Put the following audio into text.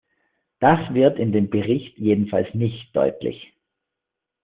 Das wird in dem Bericht jedenfalls nicht deutlich.